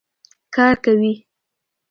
کار کوي